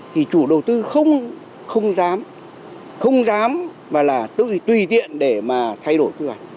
thì chủ đầu tư không dám không dám mà là tự tùy tiện để mà thay đổi quy hoạch